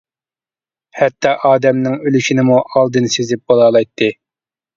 ھەتتا ئادەمنىڭ ئۈلۈشىنىمۇ ئالدىن سېزىپ بولالايتتى.